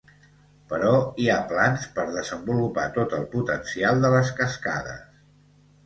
Però hi ha plans per desenvolupar tot el potencial de les cascades.